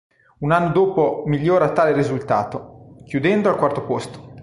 Un anno dopo migliora tale risultato, chiudendo al quarto posto.